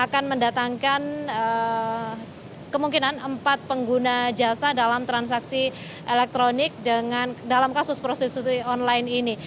dan mendatangkan kemungkinan empat pengguna jasa dalam transaksi elektronik dalam kasus prostitusi online ini